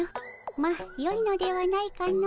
まあよいのではないかの。